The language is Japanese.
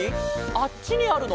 あっちにあるの？